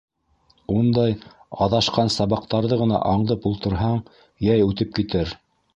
Ундай аҙашҡан сабаҡтарҙы ғына аңдып ултырһаң, йәй үтеп китер.